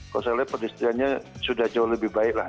kalau saya lihat perdestriannya sudah jauh lebih baik lah